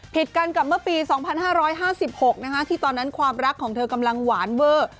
กันกับเมื่อปี๒๕๕๖ที่ตอนนั้นความรักของเธอกำลังหวานเวอร์